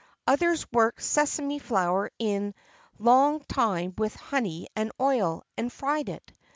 [XXIV 6] Others worked sesame flour a long time with honey and oil, and fried it.